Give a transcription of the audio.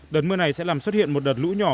đợt mưa này sẽ làm xuất hiện một đợt lũ nhỏ